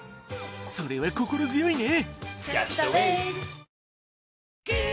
それは心強いね！